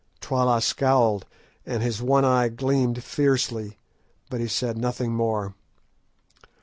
Twala scowled, and his one eye gleamed fiercely, but he said nothing more.